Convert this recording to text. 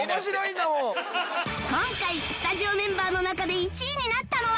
今回スタジオメンバーの中で１位になったのは？